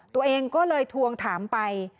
ตัวเองก็เลยทวงถามไป